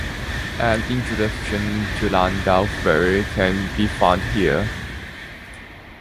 An introduction to Landau theory can be found here.